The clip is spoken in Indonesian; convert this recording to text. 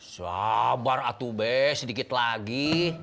sabar atubes sedikit lagi